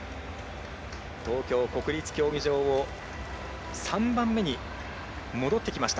東京国立競技場を３番目に戻ってきました。